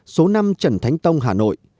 số năm trần thánh tông hà nội